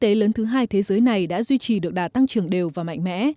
kinh tế lớn thứ hai thế giới này đã duy trì được đà tăng trưởng đều và mạnh mẽ